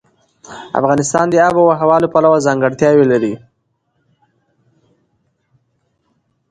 افغانستان د آب وهوا له پلوه ځانګړتیاوې لري.